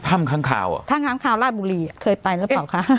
ถ้ำค้างคาวอ่ะถ้ำค้างคาวล่าบุรีอ่ะเคยไปแล้วเปล่าคะ